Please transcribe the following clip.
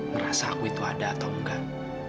merasa aku itu ada atau enggak